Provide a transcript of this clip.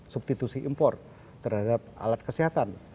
substitusi impor terhadap alat kesehatan